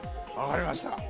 分かりました。